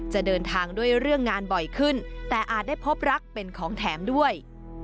จะเดินทางด้วยเรื่องงานบ่อยขึ้นแต่อาจได้พบรักเป็นของแถมด้วย